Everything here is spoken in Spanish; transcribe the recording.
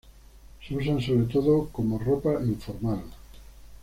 Se usan sobre todo como ropa informal.